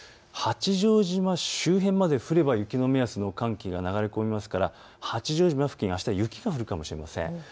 八丈島周辺まで降れば雪の目安の寒気が流れ込みますから八丈島付近、あした雪が降るかもしれません。